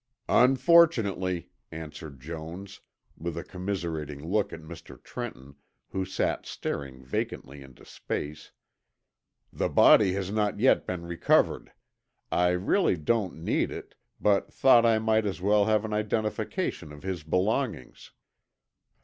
"Unfortunately," answered Jones, with a commiserating look at Mr. Trenton, who sat staring vacantly into space, "the body has not yet been recovered. I really don't need it, but thought I might as well have an identification of his belongings."